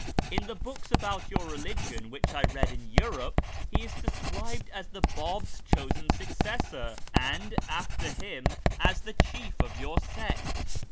In the books about your religion which I read in Europe he is described as the Bab's chosen successor, and, after him, as the chief of your sect